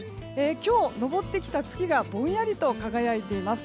今日、上ってきた月がぼんやりと輝いています。